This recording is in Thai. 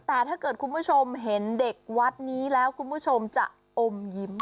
แต่ถ้าเกิดคุณผู้ชมเห็นเด็กวัดนี้แล้วคุณผู้ชมจะอมยิ้ม